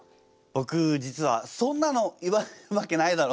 ぼく実はそんなの言われるわけないだろ。